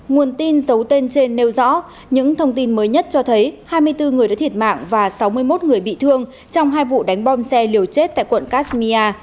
nguồn tin giấu tên trên nêu rõ những thông tin mới nhất cho thấy hai mươi bốn người đã thiệt mạng và sáu mươi một người bị thương trong hai vụ đánh bom xe liều chết tại quận kashmia